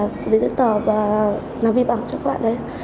giới thiệu tỏ và làm vi bảo cho các bạn đấy